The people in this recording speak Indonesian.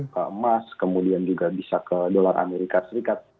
ke emas kemudian juga bisa ke dolar amerika serikat